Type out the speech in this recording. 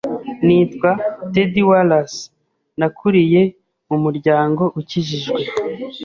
Nitwa Ted Wallace, Nakuriye mu muryango ukijijwe,